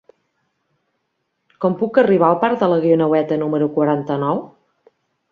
Com puc arribar al parc de la Guineueta número quaranta-nou?